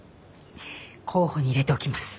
候補に入れておきます。